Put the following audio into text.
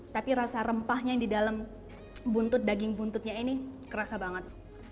tapi rasa rempahnya yang di dalam buntut daging buntutnya ini kerasa banget